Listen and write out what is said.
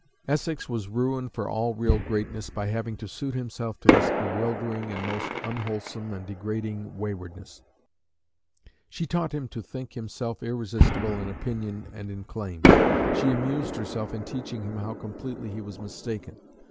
Essex was ruined for all real greatness by having to suit himself to this bewildering and most unwholesome and degrading waywardness. She taught him to think himself irresistible in opinion and in claims; she amused herself in teaching him how completely he was mistaken.